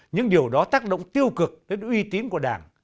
những điều đó tác động tiêu cực đến uy tín của đảng